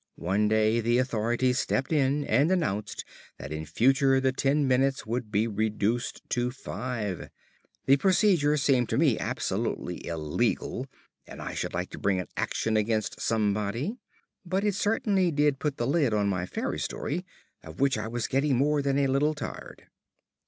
One day the authorities stepped in and announced that in future the ten minutes would be reduced to five. The procedure seemed to me absolutely illegal (and I should like to bring an action against somebody) but it certainly did put the lid on my fairy story, of which I was getting more than a little tired.